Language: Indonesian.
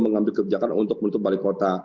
mengambil kebijakan untuk menutup balai kota